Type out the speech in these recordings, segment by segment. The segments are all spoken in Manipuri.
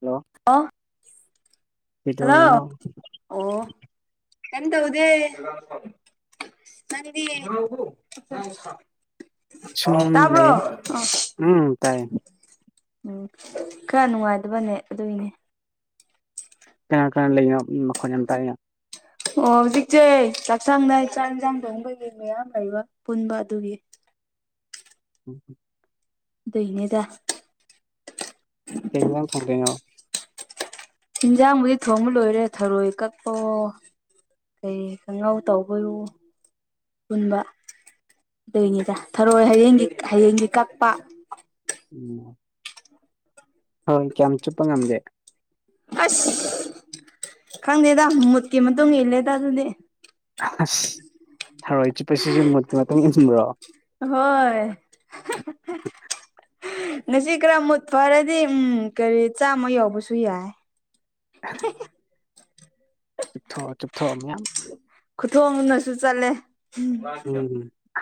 ꯍꯜꯂꯣ ꯑꯣ ꯍꯜꯂꯣ ꯀꯩꯗꯧꯔꯤꯅꯣ [unintelligible] ꯀꯦꯝ ꯇꯧꯗꯦ ꯅꯪꯗꯤ ꯁꯨꯝ ꯇꯥꯕ꯭ꯔꯣ ꯂꯩꯌꯦ ꯑ ꯎꯝ ꯇꯥꯏꯌꯦ ꯎꯝ ꯈꯔ ꯅꯨꯡꯉꯥꯏꯇꯕ ꯅꯦꯠ ꯑꯗꯨꯒꯤꯅꯦ ꯀꯅꯥ ꯀꯅꯥ ꯂꯩꯅꯣ ꯎꯝ ꯃꯈꯣꯟ ꯌꯥꯝ ꯇꯥꯏꯅ ꯑꯣ ꯍꯧꯖꯤꯛꯆꯦ ꯆꯥꯛꯁꯪꯗ ꯆꯥꯛ ꯏꯟꯖꯥꯡ ꯊꯣꯡꯕꯒꯤ ꯃꯌꯥꯝ ꯂꯩꯕ ꯄꯨꯟꯕ ꯑꯗꯨꯒꯤ ꯎꯝ ꯑꯗꯨꯒꯤꯅꯤꯗ ꯀꯩꯩ ꯏꯟꯖꯥꯡ ꯊꯣꯡꯗꯣꯏꯅꯤ ꯏꯟꯖꯥꯡꯕꯨꯗꯤ ꯊꯣꯡꯕ ꯂꯣꯏꯔꯦ ꯊꯔꯣꯏ ꯀꯛꯄꯑꯣ ꯀꯩ ꯀꯥꯡꯉꯧ ꯇꯧꯕꯩꯑꯣ ꯄꯨꯟꯕ ꯑꯗꯨꯏꯅꯤꯗ ꯊꯔꯣꯏ ꯍꯌꯦꯡꯒꯤ ꯍꯌꯦꯡꯒꯤ ꯀꯛꯄ ꯎꯝ ꯊꯔꯣꯏ ꯀꯌꯥꯝ ꯆꯨꯞꯄ ꯉꯝꯒꯦ ꯑꯁ ꯈꯪꯗꯦꯗ ꯃꯨꯠꯀꯤ ꯃꯇꯨꯡ ꯏꯜꯂꯦꯗ ꯑꯗꯨꯗꯤ ꯑꯁ ꯊꯔꯣꯏ ꯆꯨꯞꯄꯁꯤꯁꯨ ꯃꯨꯠꯀꯤ ꯃꯇꯨꯡ ꯏꯟꯕ꯭ꯔꯣ ꯑꯍꯣꯏ ꯉꯁꯤ ꯈꯔ ꯃꯨꯠ ꯐꯔꯗꯤ ꯎꯝ ꯀꯔꯤ ꯆꯥꯝꯃ ꯌꯥꯎꯕꯁꯨ ꯌꯥꯏ ꯍꯦ ꯍꯦ ꯆꯨꯞꯊꯣꯛꯑꯣ ꯆꯨꯞꯊꯣꯛꯑꯣ ꯃꯌꯥꯝ ꯈꯨꯊꯣꯡꯅꯁꯨ ꯆꯠꯂꯦ ꯎꯝꯝ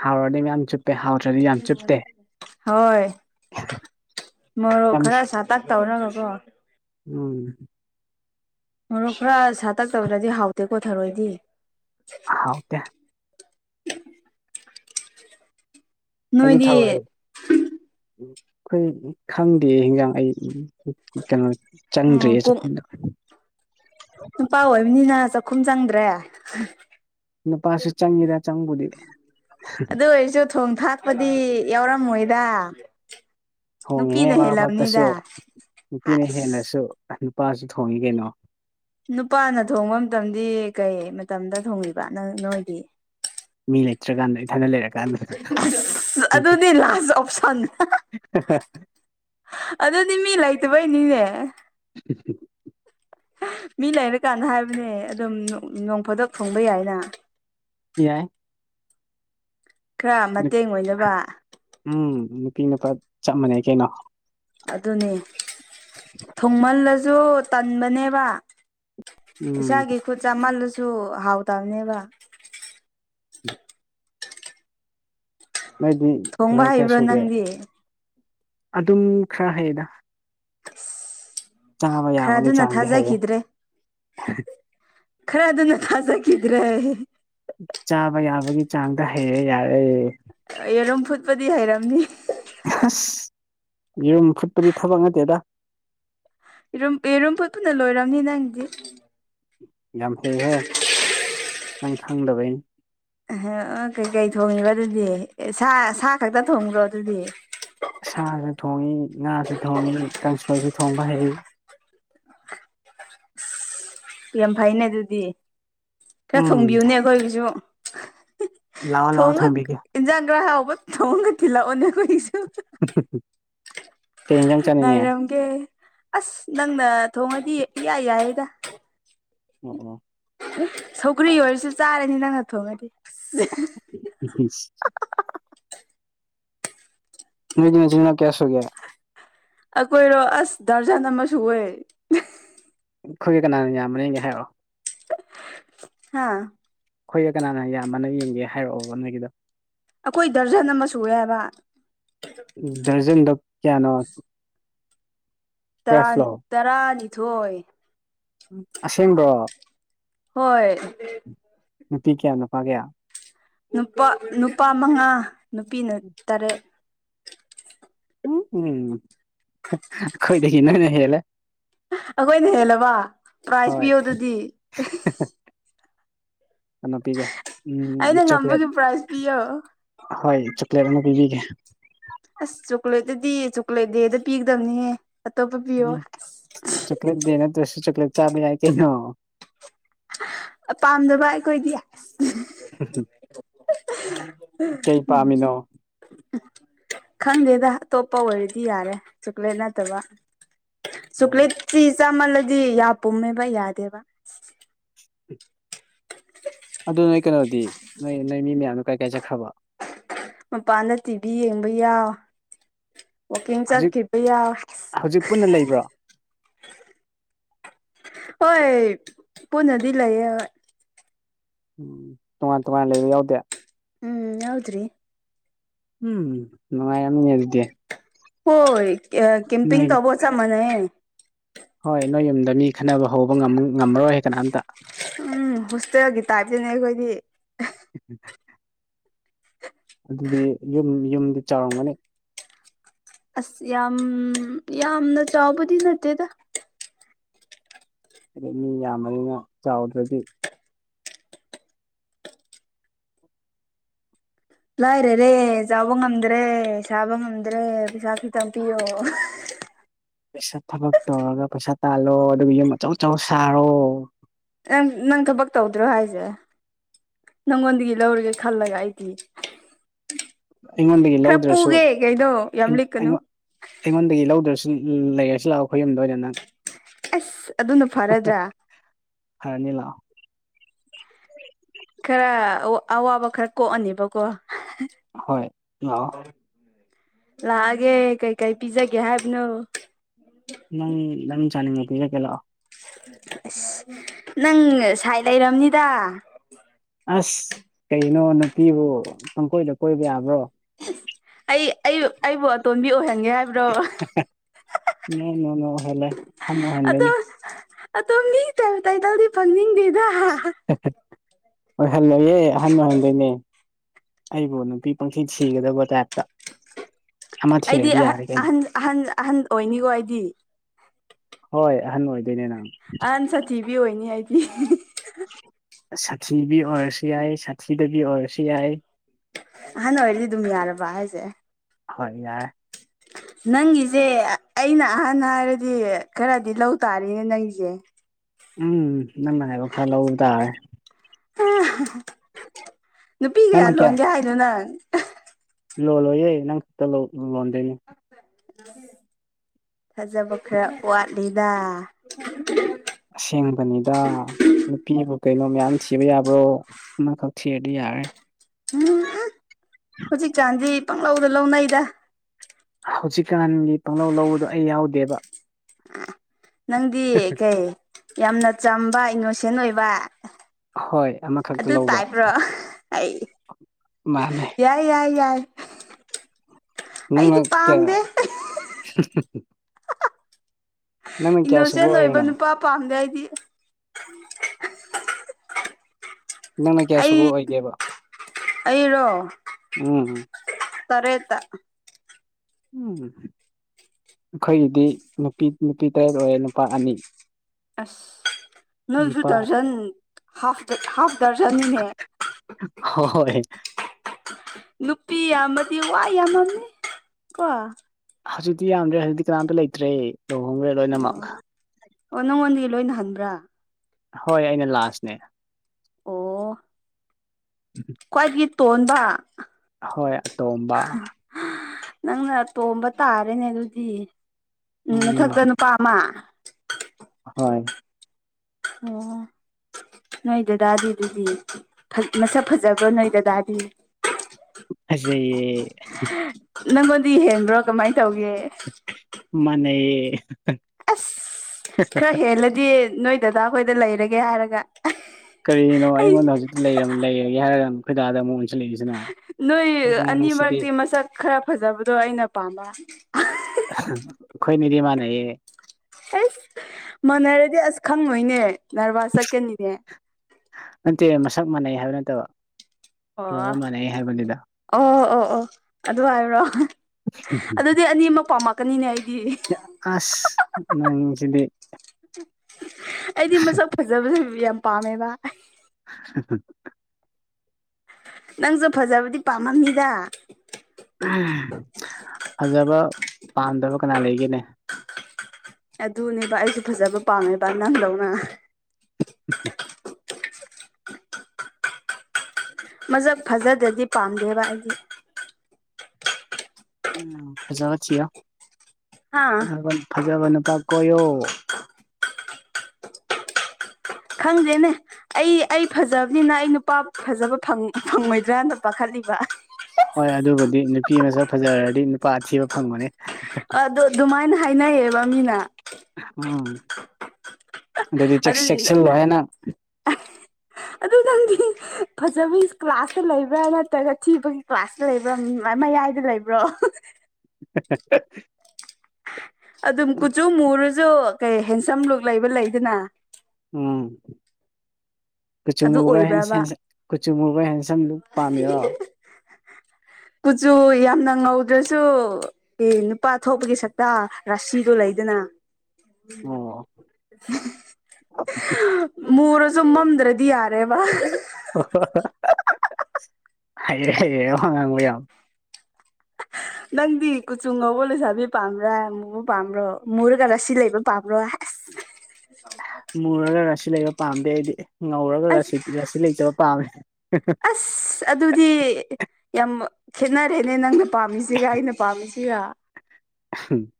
ꯍꯥꯎꯅꯦ ꯃꯤ ꯑ ꯍꯣꯏ ꯃ ꯌꯥꯝ ꯈꯔ ꯁꯥ ꯇꯥꯛ ꯇꯧꯔꯒꯀꯣ ꯎꯝ ꯃꯣꯔꯣꯛ ꯈꯔ ꯁꯥ ꯇꯛꯇꯕꯗꯗꯤ ꯍꯥꯎꯇꯦꯀꯣ ꯊꯔꯣꯏꯗꯤ ꯍꯥꯎꯗ ꯑꯩꯗꯤ ꯊꯔꯣꯏ ꯅꯣꯏꯗꯤ ꯑꯩꯈꯣꯏ ꯈꯪꯗꯦ ꯍꯤꯟꯖꯥꯡ ꯑꯩ ꯀꯩꯅꯣ ꯎꯝ ꯆꯪꯗ꯭ꯔꯤꯌꯦ ꯀꯣꯛ ꯆꯥꯛꯈꯨꯝꯗ ꯅꯨꯄꯥ ꯑꯣꯏꯕꯅꯤꯅ ꯆꯥꯛꯈꯨꯝ ꯆꯪꯗ꯭ꯔꯦ ꯅꯨꯄꯥꯁꯨ ꯆꯪꯉꯤꯗ ꯆꯪꯕꯨꯗꯤ ꯑꯗꯨ ꯑꯣꯏꯔꯁꯨ ꯊꯣꯡ ꯊꯥꯛꯄꯗꯤ ꯌꯥꯎꯔꯝꯃꯣꯏꯗ ꯊꯣꯡꯉꯤꯍꯦ ꯅꯨꯄꯤꯅ ꯃꯔꯛ ꯃꯔꯛꯇꯁꯨ ꯍꯦꯜꯂꯝꯅꯤꯗ ꯅꯨꯄꯤꯅ ꯍꯥꯏꯁ ꯍꯦꯟꯂꯁꯨ ꯅꯨꯄꯥꯁꯨ ꯊꯣꯡꯉꯤ ꯀꯩꯅꯣ ꯅꯨꯄꯥꯅ ꯊꯣꯡꯕ ꯃꯇꯝꯗꯤ ꯀꯩ ꯃꯇꯝꯗ ꯊꯣꯡꯉꯤꯕ ꯅꯪ ꯅꯣꯏꯗꯤ ꯃꯤ ꯂꯩꯇ꯭ꯔꯀꯥꯟꯗ ꯏꯊꯟ ꯂꯩꯔꯀꯥꯟꯗ ꯑꯁ ꯍꯥ ꯑꯗꯨꯗꯤ ꯂꯥꯁ ꯑꯣꯞꯁꯟ ꯍꯥ ꯑꯗꯨꯗꯤ ꯃꯤ ꯂꯩꯇꯕꯩꯅꯤꯅꯦ [unintelligible] ꯃꯤ ꯂꯩꯔ ꯀꯥꯟꯗ ꯍꯥꯏꯕꯅꯦ ꯑꯗꯨꯝ ꯅꯣꯡꯐꯗꯛ ꯊꯣꯡꯕ ꯌꯥꯏꯅ ꯌꯥꯏ ꯈꯔ ꯃꯇꯦꯡ ꯑꯣꯏꯅꯕ ꯎꯝ ꯅꯨꯄꯤ ꯅꯨꯄꯥ ꯆꯞ ꯃꯥꯟꯅꯩ ꯀꯩꯅꯣ ꯑꯗꯨꯅꯦ ꯊꯣꯡꯃꯜꯂꯁꯨ ꯇꯟꯕꯅꯦꯕ ꯎꯝ ꯏꯁꯥꯒꯤ ꯈꯨꯠ ꯆꯃꯜꯂꯁꯨ ꯍꯥꯎꯇꯕꯅꯦꯕ ꯎꯝ ꯊꯣꯡꯕ ꯀꯩꯅꯣ ꯀꯌꯥ ꯍꯩꯕ꯭ꯔꯣ ꯁꯨꯒꯦ ꯅꯪꯗꯤ ꯑꯗꯨꯝ ꯈꯔ ꯍꯥꯏꯗ ꯈꯔ ꯌꯥꯕꯒꯤ ꯑꯗꯨꯅ ꯆꯥꯡꯗꯤ ꯍꯩꯌꯦ ꯊꯥꯖꯈꯤꯗ꯭ꯔꯦ ꯈꯔ ꯑꯗꯨꯅ ꯊꯥꯖꯈꯤꯗ꯭ꯔꯦ ꯆꯥꯕ ꯌꯥꯕꯒꯤ ꯆꯥꯡꯗ ꯍꯩꯑꯦ ꯌꯥꯔꯦꯌꯦ ꯌꯦꯔꯨꯝ ꯐꯨꯠꯄꯗꯤ ꯍꯥꯏꯩꯔꯝꯅꯤ ꯑꯁ ꯌꯨꯝ ꯈꯨꯠꯄꯗꯤ ꯊꯕꯛ ꯅꯠꯇꯦꯗ ꯔꯨꯝꯔꯨꯝ ꯐꯣꯠ ꯄꯨꯨꯅ ꯂꯣꯏꯔꯕꯅꯤ ꯅꯪꯗꯤ ꯌꯥꯝꯝꯍꯦꯍꯦ ꯅꯪ ꯈꯪꯗꯕꯅꯤ ꯀꯩꯀꯩ ꯊꯣꯡꯉꯤꯕ ꯑꯗꯨꯗꯤ ꯁꯥ ꯁꯥ ꯈꯛꯇ ꯊꯣꯡꯕ꯭ꯔꯣ ꯑꯗꯨꯗꯤ ꯁꯥꯁꯨ ꯊꯣꯡꯉꯤ ꯉꯥꯁꯨ ꯊꯣꯡꯉꯤ ꯀꯥꯡꯁꯣꯏꯁꯨ ꯊꯣꯡꯕ ꯍꯩ ꯌꯥꯝ ꯐꯩꯅꯦ ꯑꯗꯨꯗꯤ ꯈꯔ ꯎꯝ ꯊꯣꯡꯕꯤꯌꯨꯅꯦ ꯑꯩꯈꯣꯏꯒꯤꯁꯨ ꯂꯥꯛꯑꯣ ꯂꯥꯛꯑꯣ ꯊꯝꯕꯤꯒꯦꯣ ꯏꯟꯁꯥꯡ ꯒꯔ ꯍꯥꯎꯕ ꯊꯃꯒ ꯊꯤꯜꯂꯛꯑꯣꯅꯦ ꯑꯩꯈꯣꯏꯒꯤꯁꯨ [unintelligible] ꯀꯩ ꯏꯟꯖꯥꯡ ꯆꯥꯅꯤꯡꯉꯦ ꯉꯥꯏꯔꯝꯒꯦ ꯑꯁ ꯅꯪꯅ ꯊꯣꯡꯉꯗꯤ ꯏꯌꯥꯏ ꯌꯥꯏꯌꯦꯗ ꯑꯣ ꯁꯧꯈ꯭ꯔꯤ ꯑꯣꯏꯔꯁꯨ ꯆꯥꯔꯅꯤ ꯅꯪꯅ ꯊꯣꯡꯉꯗꯤ ꯀꯜ ꯃꯣꯏ ꯆꯤꯡꯅ ꯀꯌꯥꯁꯁꯨꯒ ꯑꯩꯈꯣꯏꯔꯣ ꯑꯁ ꯗꯥꯔꯖꯟ ꯑꯃꯁ ꯁꯋꯦ ꯑꯩꯈꯣꯏꯒꯤ ꯀꯅꯥꯅ ꯌꯥꯝꯕꯅꯒꯦ ꯍꯥꯏꯔꯛꯑꯣ ꯍꯥꯥ ꯈꯣꯏꯒ ꯀꯅꯥꯅ ꯌꯥꯝꯕꯅ ꯌꯦꯡꯒꯦ ꯍꯥꯏꯔꯛꯑꯣꯕ ꯅꯣꯏꯒꯤꯗꯣ ꯑꯩꯈꯣꯏ ꯗꯔꯖꯟ ꯑꯃ ꯁꯨꯔꯦ ꯍꯥꯏꯕ ꯗꯔꯖꯟꯗ ꯀꯌꯥꯅꯣ ꯇꯔꯥ ꯇꯨꯋꯦꯜꯐꯂꯣ ꯇꯔꯥꯅꯤꯊꯣꯏ ꯑꯁꯦꯡꯕꯣ ꯍꯣꯏ ꯅꯨꯄꯤ ꯀꯌꯥ ꯅꯨꯄꯥ ꯀꯌꯥ ꯅꯨꯄꯥ ꯅꯨꯄꯥ ꯃꯉꯥ ꯅꯨꯄꯤꯅ ꯇꯔꯦꯠ ꯎꯝ ꯎꯝ ꯈꯣꯏꯗꯩꯗꯤ ꯅꯪꯅ ꯍꯦꯜꯂꯦ ꯑꯩꯈꯣꯏꯅ ꯍꯦꯜꯂꯕ ꯄ꯭ꯔꯥꯏꯖ ꯍꯣꯏ ꯄꯤꯌꯣ ꯑꯗꯨꯗꯤ [inaudible] ꯀꯩꯅꯣ ꯄꯤꯒꯦ ꯎ ꯑꯩꯅ ꯆꯣꯀ꯭ꯂꯦꯠ ꯉꯝꯕꯒꯤ ꯄ꯭ꯔꯥꯏꯖ ꯄꯤꯌꯣ ꯍꯣꯏ ꯆꯣꯀ꯭ꯂꯦꯠ ꯑꯃ ꯄꯤꯕꯤꯒꯦ ꯑꯁ ꯆꯣꯀ꯭ꯂꯦꯠꯇꯗꯤ ꯆꯣꯀ꯭ꯂꯦꯠ ꯗꯦꯗ ꯄꯤꯒꯗꯕꯅꯤꯌꯦ ꯑꯇꯣꯞꯄ ꯄꯤꯌꯣ ꯑꯁ ꯆꯣꯀ꯭ꯂꯦꯠꯇꯗꯤ ꯅꯠꯇ꯭ꯔꯁꯨ ꯆꯣꯀ꯭ꯂꯦꯠ ꯆꯥꯕ ꯌꯥꯏ ꯀꯩꯅꯣ ꯄꯥꯝꯗꯕ ꯑꯩꯈꯣꯏꯗꯤ ꯀꯩ ꯄꯥꯝꯃꯤꯅꯣ ꯈꯪꯗꯦꯗ ꯑꯇꯣꯞꯄ ꯑꯣꯏꯔꯗꯤ ꯌꯥꯔꯦ ꯆꯣꯀ꯭ꯂꯦꯠ ꯅꯠꯇꯕ ꯁꯨꯛꯂꯤ ꯐꯤ ꯆꯥꯃꯜꯂꯗꯤ ꯌꯥꯝ ꯄꯨꯝꯃꯦꯕ ꯌꯥꯗꯦꯕ ꯑꯗꯨ ꯅꯣꯏ ꯀꯩꯅꯣꯗꯤ ꯅꯣꯏ ꯅꯣꯏ ꯃꯤ ꯃꯌꯥꯝꯅꯣ ꯀꯥꯏ ꯀꯥꯏ ꯆꯈ꯭ꯔꯕ ꯃꯄꯥꯟꯗ ꯇꯤꯚꯤ ꯌꯦꯡꯕ ꯌꯥꯎ ꯋꯥꯋꯀꯤꯡ ꯍꯧꯖꯤꯛ ꯆꯠꯈꯤꯕ ꯌꯥꯎ ꯁ ꯍꯧꯖꯤꯛ ꯄꯨꯟꯅ ꯂꯩꯕ꯭ꯔꯣ ꯍꯣꯏ ꯄꯨꯅꯗꯤ ꯂꯩꯌꯦꯦ ꯍꯣꯏ ꯎꯝ ꯇꯣꯉꯥꯟ ꯇꯣꯉꯥꯟꯅ ꯂꯩꯕ ꯌꯥꯎꯗꯦ ꯎꯝ ꯌꯥꯎꯗ꯭ꯔꯤꯌꯦ ꯍꯝ ꯅꯨꯡꯉꯥꯏꯔꯝꯅꯤꯅꯦ ꯑꯗꯨꯗꯤ ꯍꯣꯏ ꯀꯦꯑꯦ ꯀꯦꯝꯄꯤꯡ ꯅꯣꯏ ꯇꯧꯕꯒ ꯆꯞ ꯃꯥꯟꯅꯩꯌꯦ ꯍꯣꯏ ꯅꯣꯏ ꯌꯨꯝꯗ ꯃꯤ ꯈꯠꯅꯕ ꯍꯧꯕ ꯉꯝꯃꯔꯣꯏꯍ ꯀꯅꯥꯝꯇ ꯎꯝ ꯍꯣꯁꯇꯦꯜ ꯒꯤ ꯇꯥꯏꯞꯇꯅꯦ ꯑꯩꯈꯣꯏꯗꯤ [inaudible] ꯑꯗꯨꯗꯤ ꯌꯨꯝ ꯌꯨꯝꯗꯤ ꯆꯥꯎꯔꯝꯒꯅꯤ ꯑꯁ ꯌꯥꯝ ꯌꯥꯝ ꯅ ꯆꯥꯎꯕꯗꯤ ꯅꯠꯇꯦꯗ ꯑꯗꯣ ꯃꯤ ꯌꯥꯝꯕꯅꯤꯅ ꯆꯥꯎꯗ꯭ꯔꯗꯤ ꯂꯥꯏꯔꯔꯦ ꯆꯥꯎꯕ ꯉꯝꯗꯔꯦ ꯁꯥꯕ ꯉꯝꯗꯔꯦ ꯄꯩꯁꯥ ꯈꯤꯇꯪ ꯄꯤꯌꯣ ꯄꯩꯁꯥ ꯊꯕꯛ ꯇꯧꯔꯒ ꯄꯩꯁꯥ ꯇꯥꯜꯂꯣ ꯑꯗꯨꯒ ꯌꯨꯝ ꯑꯆꯧ ꯑꯆꯧ ꯁꯥꯔꯣ ꯑꯝ ꯅꯪ ꯀꯕꯛ ꯇꯧꯗ꯭ꯔꯣ ꯍꯥꯏꯁꯦ ꯅꯪꯉꯣꯟꯗꯒꯤ ꯂꯧꯔꯒꯦ ꯈꯜꯂꯒ ꯑꯩꯗꯤ ꯑꯩꯉꯣꯟꯗꯒꯤ ꯈꯔ ꯂꯧꯗ꯭ꯔꯁꯨ ꯄꯨꯒꯦ ꯀꯩꯗꯣ ꯌꯥꯝ ꯂꯤꯛꯀꯅꯨ ꯑꯩꯉꯣꯟꯗꯒꯤ ꯂꯧꯗ꯭ꯔꯁꯨ ꯂꯩꯔꯁꯨ ꯂꯥꯛꯑꯣ ꯈꯣꯏꯌꯨꯝꯗ ꯑꯣꯏꯅ ꯅꯪ ꯑꯁ ꯑꯗꯨꯅ ꯐꯔꯗ꯭ꯔꯥ ꯐꯔꯅꯤ ꯂꯥꯛꯑꯣ ꯈꯔ ꯑꯋ ꯑꯋꯥꯕ ꯈꯔ ꯀꯣꯛꯑꯅꯦꯕꯀꯣ ꯍꯣꯏ ꯂꯥꯛꯑꯣ ꯂꯥꯛꯑꯒꯦ ꯀꯩꯀꯩ ꯄꯤꯖꯒꯦ ꯍꯥꯏꯕꯅꯣ ꯅꯪ ꯅꯪ ꯆꯥꯅꯤꯡꯕ ꯄꯤꯖꯒꯦ ꯂꯥꯛꯑꯣ ꯑꯁ ꯅꯪ ꯁꯥꯏ ꯂꯩꯔꯝꯅꯤꯗ ꯑꯁ ꯀꯩꯅꯣ ꯅꯨꯄꯤꯕꯨ ꯄꯪꯀꯣꯏꯗ ꯀꯣꯏꯕ ꯌꯥꯕ꯭ꯔꯣ ꯑꯩ ꯑꯩ ꯑꯩꯕꯨ ꯑꯇꯣꯟꯕꯤ ꯑꯣꯏꯍꯟꯒꯦ ꯍꯥꯏꯕ ꯅꯣ ꯅꯣ ꯅꯣ ꯑꯣꯏꯍꯜꯂꯦꯏ ꯑꯍꯟ ꯑꯣꯏꯍꯟꯒꯅꯤ ꯑꯇꯣꯝꯕꯤꯒꯤ ꯇꯥꯏꯜ ꯇꯥꯏꯇꯜꯗꯤ ꯐꯪꯅꯤꯡꯗꯦꯗ ꯍꯦꯍꯦ ꯑꯣꯏ ꯍꯜꯂꯣꯏꯌꯦ ꯑꯍꯟ ꯑꯣꯏꯍꯟꯗꯣꯏꯅꯦ ꯑꯩꯕꯨ ꯅꯨꯄꯤ ꯄꯪꯊꯤ ꯊꯤꯗꯧꯕꯩ ꯇꯥꯏꯞꯇ ꯑꯃ ꯑꯩꯗꯤ ꯊꯤꯔꯗꯤ ꯌꯥꯔꯦ ꯀꯩꯅꯣ ꯑꯍꯟ ꯑꯍꯟ ꯑꯍꯟ ꯑꯣꯏꯅꯤꯀꯣ ꯑꯩꯗꯤ ꯍꯣꯏ ꯑꯍꯟ ꯑꯣꯏꯗꯣꯏꯅꯦ ꯅꯪ ꯑꯟ ꯁꯥꯊꯤꯕꯤ ꯑꯣꯏꯅꯤ ꯑꯩꯗꯤ ꯁꯥꯊꯤꯕꯤ ꯑꯣꯏꯔꯁꯨ ꯌꯥꯏ ꯁꯥꯊꯤꯗꯕꯤ ꯑꯣꯏꯔꯁꯨ ꯌꯥꯏ ꯑꯍꯥꯟ ꯑꯣꯏꯔꯗꯤ ꯑꯗꯨꯝ ꯌꯥꯔꯕ ꯍꯥꯏꯁꯦ ꯍꯣꯏ ꯌꯥꯏ ꯅꯪꯒꯤꯁꯦ ꯑꯩꯅ ꯑꯍꯥꯟ ꯍꯥꯏꯔꯗꯤ ꯈꯔꯗꯤ ꯂꯧ ꯇꯥꯔꯤꯅꯦ ꯅꯪꯒꯤꯁꯦ ꯎꯝ ꯅꯪ ꯍꯥꯏꯕ ꯈꯔ ꯂꯧꯕ ꯇꯥꯔꯦ ꯅꯨꯄꯤ ꯀꯌꯥ ꯂꯣꯟꯒꯦ ꯍꯥꯏꯅꯣ ꯅꯪ ꯂꯣꯜꯂꯣꯏꯌꯦ ꯅꯪ ꯈꯛꯇ ꯂꯧ ꯂꯣꯟꯗꯣꯏꯅꯦ ꯊꯥꯖꯕ ꯈꯔ ꯋꯥꯠꯂꯤꯗ ꯑꯁꯦꯡꯕꯅꯤꯗ ꯅꯨꯄꯤꯕꯨ ꯀꯩꯅꯣ ꯃꯌꯥꯝ ꯊꯤꯕ ꯌꯥꯕ꯭ꯔꯣ ꯑꯃꯈꯛ ꯊꯤꯔꯗꯤ ꯌꯥꯔꯦ ꯍꯧꯖꯤꯛꯀꯥꯟꯗꯤ ꯄꯥꯡꯂꯧꯗ ꯂꯧꯅꯩꯗ ꯍꯧꯖꯤꯛꯀꯥꯟꯒꯤ ꯄꯪꯂꯧ ꯂꯧꯕꯗꯣ ꯑꯩ ꯌꯥꯎꯗꯦꯕ ꯅꯪꯗꯤ ꯀꯩ ꯌꯥꯝꯅ ꯆꯝꯕ ꯏꯅꯣꯁꯦꯟ ꯑꯣꯏꯕ ꯍꯣꯏ ꯑꯃꯈꯛꯇ ꯑꯗꯨ ꯂꯧꯕ ꯇꯥꯏꯞꯕ꯭ꯔꯣ ꯑꯩ ꯃꯥꯅꯦ ꯌꯥ ꯑꯩ ꯌꯥꯏ ꯌꯥꯏ ꯅꯪꯅ ꯑꯩꯗꯤ ꯄꯥꯝꯗꯦ ꯀꯌꯥ [unintelligible] ꯅꯪꯅ ꯀꯌꯥ ꯁꯨꯕ ꯏꯅꯣꯁꯦꯟ ꯅꯣꯏꯕ ꯑꯣꯏꯔꯤꯅꯣ ꯅꯨꯄꯥ ꯄꯥꯝꯗꯦ ꯍꯥꯏꯗꯤ ꯅꯪꯅ ꯀꯌꯥ ꯁꯨꯕ ꯑꯩ ꯑꯣꯏꯒꯦꯕ ꯑꯩꯔꯣ ꯎꯝꯝ ꯇꯔꯦꯠꯇ ꯎꯝ ꯑꯩꯈꯣꯏꯒꯤꯗꯤ ꯅꯨꯄꯤ ꯅꯨꯄꯤ ꯇꯔꯦꯠ ꯑꯣꯏꯌꯦ ꯅꯨꯄꯥ ꯑꯅꯤ ꯑꯁ ꯅꯣꯏꯁꯨ ꯅꯨꯄꯥ ꯗꯔꯖꯟ ꯍꯥ ꯍꯥꯐ ꯗꯔꯖꯟꯅꯦ ꯍꯣꯏ ꯅꯨꯄꯤ ꯌꯥꯝꯃꯗꯤ ꯋꯥ ꯌꯥꯝꯃꯝꯅꯤ ꯀꯣ ꯍꯧꯖꯤꯛꯇꯤ ꯌꯥꯝꯗ꯭ꯔꯦ ꯍꯧꯖꯤꯛꯇꯤ ꯀꯅꯥꯝꯇ ꯂꯩꯇ꯭ꯔꯦ ꯂꯨꯍꯣꯡꯈ꯭ꯔꯦ ꯂꯣꯏꯅꯃꯛ ꯑꯣ ꯅꯪꯉꯣꯟꯗꯤ ꯂꯣꯏꯅ ꯍꯟꯕ꯭ꯔꯥ ꯍꯣꯏ ꯑꯩꯅ ꯂꯥꯁꯅꯦ ꯑꯣ [unintelligible] ꯈ꯭ꯋꯥꯏꯒꯤ ꯇꯣꯟꯕ ꯍꯣꯏ ꯑꯇꯣꯝꯕ ꯅꯪꯅ ꯇꯣꯝꯕ ꯇꯥꯔꯦꯅꯦ ꯑꯗꯨꯗꯤ ꯎꯝ ꯃꯊꯛꯇ ꯄꯥꯃ ꯍꯣꯏ ꯑꯣ ꯅꯣꯏꯗꯗꯥꯗꯤ ꯑꯗꯨꯗꯤ ꯃꯁꯛ ꯐꯖꯕ ꯅꯣꯏ ꯗꯗꯥꯗꯤ ꯐꯥꯖꯩꯌꯦ ꯅꯪꯉꯣꯟꯗꯤ ꯌꯦꯡꯕ꯭ꯔꯣ ꯀꯃꯥꯏꯅ ꯇꯧꯒꯦ ꯃꯅꯦꯌꯦ ꯑꯁ ꯈꯔ ꯍꯦꯜꯂꯗꯤ ꯅꯣꯏꯗꯥꯥꯗ ꯉꯥꯈꯣꯏꯗ ꯂꯩꯔꯒꯦ ꯍꯥꯏꯔꯒ ꯀꯔꯤꯅꯣ ꯑꯩ ꯑꯩꯉꯣꯟꯗ ꯍꯧꯖꯤꯛꯇ ꯂꯩꯔ ꯂꯩꯔꯒꯦ ꯍꯥꯏꯔꯒꯅ ꯈꯣꯏꯗꯥꯗ ꯑꯃꯨꯛ [unintelligible] ꯅꯣꯏ ꯑꯅꯤ ꯅꯪ ꯁꯤꯗꯤ ꯃꯔꯛꯇꯤ ꯃꯁꯛ ꯈꯔ ꯐꯖꯕꯗꯣ ꯑꯩꯅ ꯄꯥꯝꯕ ꯑꯩꯣꯏꯅꯤꯗꯤ ꯃꯅꯦꯌꯦ ꯍꯁ ꯃꯥꯟꯅꯔꯗꯤ ꯑꯁ ꯈꯪꯉꯣꯏꯅꯦ ꯅꯔꯕꯥꯁ ꯆꯠꯀꯅꯤꯅꯦ ꯅꯠꯇꯦ ꯃꯁꯛ ꯃꯥꯟꯅꯩ ꯍꯥꯏꯕ ꯅꯠꯇꯕ ꯑꯣ ꯐꯖꯕ ꯃꯥꯟꯅꯩ ꯍꯥꯏ ꯑꯣ ꯑꯣ ꯑꯣ ꯑꯗꯨ ꯍꯥꯏꯕꯔꯣ ꯑꯗꯨꯗꯤ ꯑꯅꯤꯃꯛ ꯄꯥꯎꯝꯃꯛ ꯅꯤꯅꯦ ꯑꯩꯗꯤ ꯑꯁ ꯅꯪꯁꯤꯗꯤ ꯑꯩꯗꯤ ꯃꯁꯛ ꯐꯖꯕꯁꯦ ꯌꯥꯝ ꯄꯥꯝꯃꯦꯕ [unintelligible] ꯅꯪꯁꯨ ꯐꯖꯕꯗꯤ ꯄꯥꯝꯃꯝꯅꯤꯗ ꯐꯖꯕ ꯄꯥꯝꯗꯕ ꯀꯅꯥ ꯂꯩꯒꯦꯅꯦ ꯑꯗꯨꯅꯦꯕ ꯑꯩꯁꯨ ꯐꯖꯕ ꯄꯥꯝꯃꯦꯕ ꯅꯪꯗꯧꯅ [inaudible] ꯃꯁꯛ ꯐꯖꯗꯗꯤ ꯄꯥꯝꯗꯦꯕ ꯑꯩꯗꯤ ꯎꯝ ꯐꯖꯕ ꯊꯤꯌꯣ ꯍꯥ ꯐꯖꯕ ꯐꯖꯕ ꯅꯨꯄꯥ ꯀꯣꯌꯣ ꯈꯪꯗꯦꯅꯦ ꯑꯩ ꯑꯩ ꯐꯖꯕꯅꯤꯅ ꯑꯩ ꯅꯨꯄꯥ ꯐꯖꯕ ꯐꯪꯉꯣꯏꯗ꯭ꯔꯥꯅ ꯄꯥꯈꯠꯂꯤꯕ ꯍꯣꯏ ꯑꯗꯨꯕꯨꯗꯤ ꯅꯨꯄꯤ ꯃꯁꯛ ꯐꯖꯔꯗꯤ ꯅꯨꯄꯥ ꯑꯊꯤꯕ ꯐꯪꯕꯅꯦ ꯑꯗꯨ ꯑꯗꯨꯃꯥꯏꯅ ꯍꯥꯏꯅꯩꯌꯦꯕ ꯃꯤꯅ ꯎꯝ ꯑꯗꯤ ꯑꯗꯨ ꯆꯦꯛꯁ ꯆꯦꯛꯦꯛꯁꯟ ꯂꯦꯅ ꯑꯗꯨ ꯅꯪꯗꯤ ꯐꯖꯕ ꯀ꯭ꯂꯥꯁꯇ ꯂꯩꯕ꯭ꯔꯥ ꯅꯠꯇ꯭ꯔꯒ ꯊꯤꯕꯒꯤ ꯀ꯭ꯂꯥꯁꯇ ꯂꯩꯕ꯭ꯔꯥ ꯃꯌꯥꯏꯗ ꯂꯩꯕ꯭ꯔꯣ [unintelligible] ꯑꯗꯨꯝ ꯀꯨꯆꯨ ꯃꯨꯔꯁꯨ ꯀꯩ ꯍꯦꯟꯁꯝ ꯂꯨꯛ ꯂꯩꯕ ꯂꯩꯗꯅ ꯎꯝ ꯑꯗꯨ ꯀꯆꯨꯃꯨꯕ ꯍꯦꯟ ꯑꯣꯏꯕ꯭ꯔꯕ ꯍꯦꯟ ꯀꯨꯆꯨ ꯃꯨꯕ ꯍꯦꯟꯁꯝ ꯂꯨꯛ ꯄꯥꯝꯃꯤꯔꯣ ꯀꯨꯆꯨ ꯌꯥꯝꯅ ꯉꯧꯗ꯭ꯔꯁꯨ ꯑꯦ ꯅꯨꯄꯥ ꯊꯣꯛꯄꯒꯤ ꯁꯛꯇ ꯔꯥꯁꯤꯗꯣ ꯂꯩꯗꯅ ꯑꯣ [unintelligible] ꯃꯨꯔꯁꯨ ꯃꯝꯗ꯭ꯔꯗꯤ ꯌꯥꯔꯦꯕ ꯑꯣ ꯍꯩꯔꯦ ꯍꯩꯔꯦ ꯋꯥꯉꯥꯡꯕ ꯌꯥꯝ ꯅꯪꯗꯤ ꯀꯨꯆꯨ ꯉꯧꯕ ꯂꯩꯏꯁꯥꯕꯤ ꯄꯥꯝꯕ꯭ꯔꯥ ꯑꯃꯨꯕ ꯄꯥꯝꯕ꯭ꯔꯣ ꯃꯨꯔꯒꯅ ꯁꯤ ꯂꯩꯕ ꯄꯥꯝꯕ꯭ꯔꯣ ꯑꯁ ꯃꯨꯔꯒ ꯔꯁꯤ ꯂꯩꯕ ꯄꯥꯝꯗꯦ ꯑꯩꯗꯤ ꯉꯧꯔꯒ ꯔꯁꯤ ꯑꯁ ꯔꯁꯤ ꯂꯩꯖꯕ ꯄꯥꯝꯃꯦ ꯑꯁ ꯑꯗꯨꯗꯤ ꯌꯥꯝ ꯈꯦꯠꯅꯔꯦꯅꯦ ꯅꯪꯅ ꯄꯥꯝꯃꯤꯁꯤꯒ ꯑꯩꯅ ꯄꯥꯝꯃꯤꯁꯤꯒ ꯎꯝ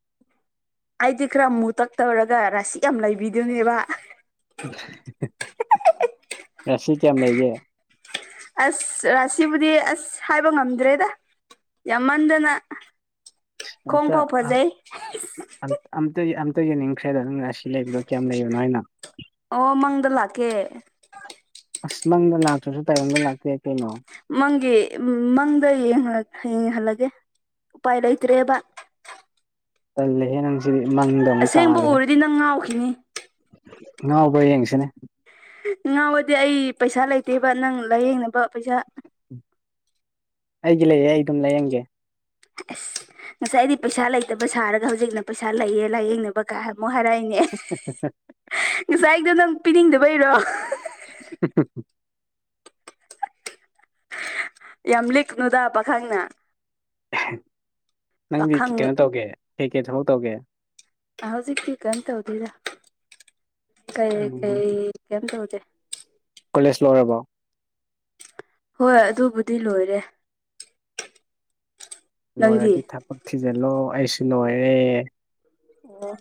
ꯑꯩꯗꯤ ꯈꯔ ꯃꯨ ꯇꯛ ꯇꯧꯔꯒ ꯔꯥꯁꯤ ꯌꯥꯝ ꯂꯩꯕꯤꯗꯨꯅꯦꯕ ꯔꯁꯤ ꯀꯌꯥꯝ ꯂꯩꯒꯦ ꯑꯁ ꯔꯥꯁꯤꯕꯨꯗꯤ ꯑꯁ ꯍꯥꯏꯕ ꯉꯝꯗ꯭ꯔꯦꯗ ꯌꯥꯝꯃꯟꯗꯅ ꯈꯣꯡ ꯐꯥꯎ ꯐꯖꯩ [unintelligible] ꯑꯝꯇ ꯑꯝ ꯑꯝꯇ ꯌꯦꯡꯅꯤꯡꯈ꯭ꯔꯦꯗ ꯅꯪ ꯉꯁꯤ ꯂꯩꯕꯗꯣ ꯀꯌꯥꯝ ꯂꯩꯕꯅꯣ ꯍꯥꯢꯅ ꯑꯣ ꯃꯪꯗ ꯂꯥꯛꯀꯦ ꯑꯁ ꯃꯪꯗ ꯂꯥꯛꯇ꯭ꯔꯁꯨ ꯇꯥꯏꯕꯪꯗ ꯂꯥꯛꯄ ꯌꯥꯏ ꯀꯩꯅꯣ ꯃꯪꯒꯤ ꯃꯪꯗ ꯌꯦꯡꯍꯜꯂꯒꯦ ꯎꯄꯥꯏ ꯂꯩꯇ꯭ꯔꯦꯕ ꯇꯟꯂꯦ ꯍꯦ ꯅꯪ ꯑꯁꯦꯡꯕ ꯎꯔꯗꯤ ꯅꯪ ꯉꯥꯎꯈꯤꯅꯤ ꯉꯥꯎꯕ ꯌꯦꯡꯁꯤꯅꯦ ꯉꯥꯎꯕꯗꯤ ꯑꯩ ꯄꯩꯁꯥ ꯂꯩꯇꯦꯕ ꯅꯪ ꯂꯥꯏꯌꯦꯡꯅꯕ ꯄꯩꯁꯥ ꯑꯩꯗꯤ ꯂꯩꯌꯦ ꯑꯩ ꯑꯗꯨꯝ ꯂꯥꯏꯌꯦꯡꯒꯦ ꯉꯁꯥꯏ ꯗꯤ ꯄꯩꯁꯥ ꯂꯩꯇꯕ ꯁꯥꯔꯒ ꯍꯧꯖꯤꯛꯅ ꯄꯩꯁꯥ ꯂꯩꯌꯦ ꯂꯥꯏꯌꯦꯡꯅꯕ ꯀꯥꯏ ꯑꯃꯨꯛ ꯍꯥꯏꯔꯛꯏꯅꯦ [unintelligible] ꯉꯁꯥꯏ ꯗꯣ ꯅꯪ ꯄꯤꯅꯤꯡꯗꯕꯩꯔꯣ [unintelligible] ꯌꯥꯝ ꯂꯤꯛꯅꯨꯗ ꯄꯥꯈꯪꯅ ꯅꯪꯗꯤ ꯀꯩꯅꯣ ꯇꯧꯒꯦ ꯀꯩ ꯀꯩ ꯊꯕꯛ ꯇꯧꯒꯦ ꯍꯧꯖꯤꯛ ꯄꯤ ꯀ ꯇ ꯍꯗꯔ ꯀꯩ ꯎꯝ ꯀꯩ ꯀꯩꯝ ꯇꯧꯁꯦ ꯀꯣꯂꯦꯖ ꯂꯣꯏꯔꯕꯣ ꯍꯣꯏ ꯑꯗꯨꯕꯨꯗꯤ ꯂꯣꯏꯔꯦ ꯅꯪꯗꯤ ꯂꯣꯏꯔꯗꯤ ꯊꯕꯛ ꯊꯤꯖꯤꯜꯂꯣ ꯑꯩꯁꯨ ꯂꯣꯏꯔꯦ ꯑꯣ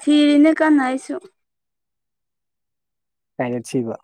ꯆꯤꯔꯤꯅ ꯀꯅ ꯍꯥꯏꯁꯨ ꯀꯩꯔꯦꯠ ꯁꯤꯕ